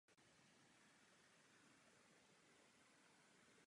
Výzdobu doplňovala také řada reliéfů.